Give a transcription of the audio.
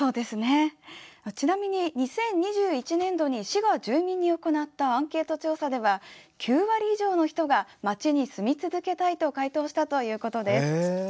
ちなみに２０２１年度に市が住民に行ったアンケート調査では９割以上の人が町に住み続けたいと回答したということです。